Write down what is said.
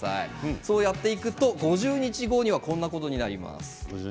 そうやっていきますと５０日後にはこんなふうになります。